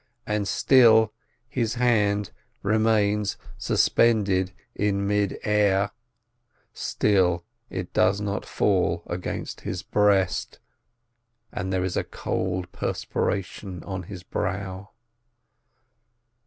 And still his hand remains suspended in mid air, still it does not fall against his breast, and there is a cold perspiration on his brow.